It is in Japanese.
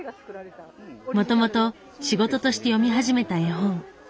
もともと仕事として読み始めた絵本。